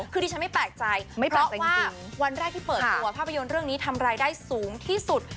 คือที่ฉันไม่แปลกใจเพราะว่าวันแรกที่เปิดตัวภาพยนตร์เรื่องนี้ทำรายได้สูงที่สุด